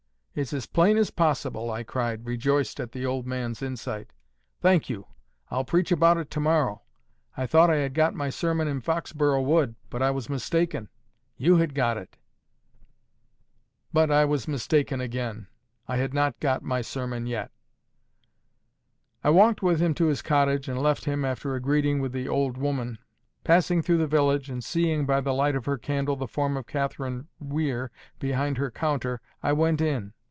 It's as plain as possible," I cried, rejoiced at the old man's insight. "Thank you. I'll preach about it to morrow. I thought I had got my sermon in Foxborough Wood, but I was mistaken: you had got it." But I was mistaken again. I had not got my sermon yet. I walked with him to his cottage and left him, after a greeting with the "old woman." Passing then through the village, and seeing by the light of her candle the form of Catherine Weir behind her counter, I went in.